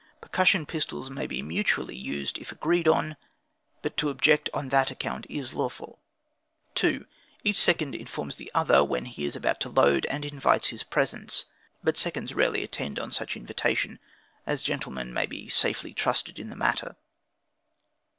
Percussion pistols may be mutually used if agreed on, but to object on that account is lawful. 2. Each second informs the other when he is about to load, and invites his presence, but the seconds rarely attend on such invitation, as gentlemen may be safely trusted in the matter.